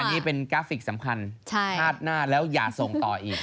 นี่เป็นกราฟิกสำคัญชาติหน้าแล้วอย่าส่งต่ออีก